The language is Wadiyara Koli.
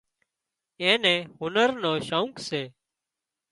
اين نين هنر نو شوق سي